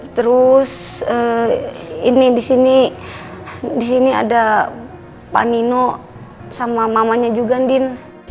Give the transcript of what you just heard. terus ini disini disini ada pak nino sama mamanya juga din